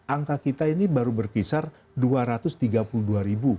angka kita ini baru berkisar dua ratus tiga puluh dua ribu